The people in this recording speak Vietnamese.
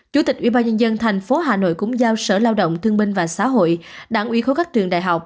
chủ tịch ubnd tp hà nội cũng giao sở lao động thương binh và xã hội đảng uy khối các trường đại học